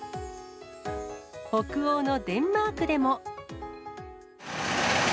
北欧のデンマークでも。